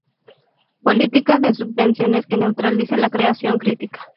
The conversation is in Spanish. Política de subvenciones que neutraliza la creación crítica.